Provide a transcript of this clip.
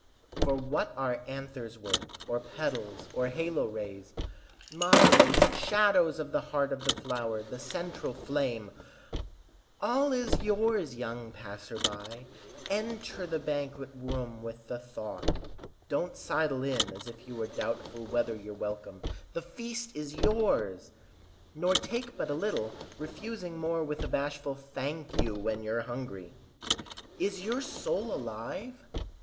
For what are anthers worth or petals Or halo rays? Mockeries, shadows Of the heart of the flower, the central flame All is yours, young passer by; Enter the banquet room with the thought; Don't sidle in as if you were doubtful Whether you're welcome—the feast is yours! Nor take but a little, refusing more With a bashful "Thank you", when you're hungry. Is your soul alive?